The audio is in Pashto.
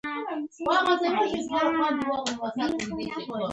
خو ماشوم ورځ په ورځ وده کوي او غټیږي.